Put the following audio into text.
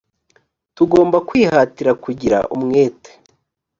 tugomba kwihatira kugira umwete